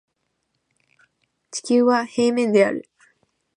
地球は平面である